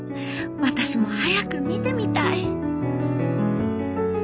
わたしも早く見てみたい」。